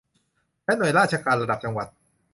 และหน่วยราชการระดับจังหวัด